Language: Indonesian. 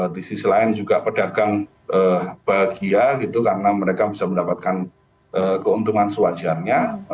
di sisi lain juga pedagang bahagia gitu karena mereka bisa mendapatkan keuntungan sewajarnya